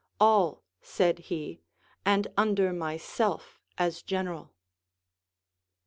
All, said he, and under myself as general.